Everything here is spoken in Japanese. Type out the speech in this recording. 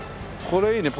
これいいね。